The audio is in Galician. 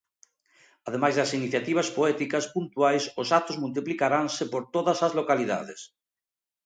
Ademais das iniciativas poéticas puntuais os actos multiplicaranse por todas as localidades.